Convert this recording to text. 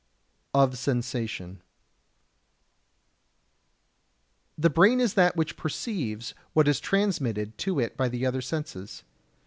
[Sidenote: Of Sensation] 70. The brain is that which perceives what is transmitted to it by the other senses.